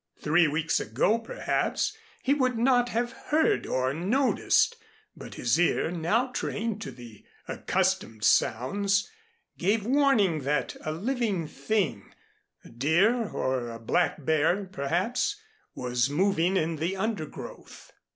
Three weeks ago, perhaps, he would not have heard or noticed, but his ear, now trained to the accustomed sounds, gave warning that a living thing, a deer or a black bear, perhaps, was moving in the undergrowth.